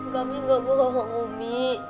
kami gak berbohong umi